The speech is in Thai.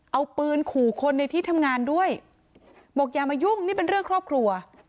เอาปืนขู่คนในที่ทำงานด้วยบอกอย่ามายุ่งนี่เป็นเรื่องครอบครัว